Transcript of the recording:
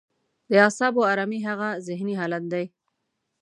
د اعصابو ارامي هغه ذهني حالت دی.